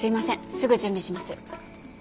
すぐ準備します。